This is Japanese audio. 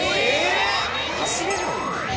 走れるの？